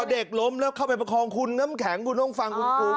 เด็กล้มแล้วเข้าไปประคองคุณน้ำแข็งคุณต้องฟังคุณครู